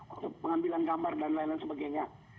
untuk pengambilan gambar dan lain lain sebagainya